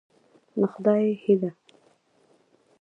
د خدای هيله